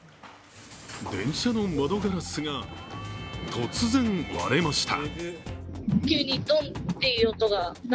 電車の窓ガラスが突然割れました。